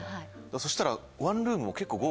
そしたら。